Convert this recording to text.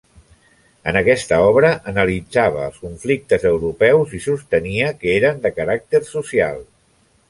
En aquesta obra analitzava els conflictes europeus i sostenia que eren de caràcter social.